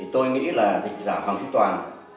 tôi nghĩ là dịch giả thúy toàn